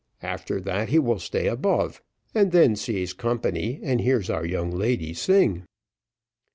After that he will stay above, and then sees company, and hears our young lady sing."